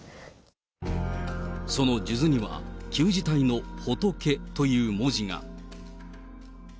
その数珠には、旧字体の佛という文字が。